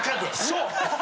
そう。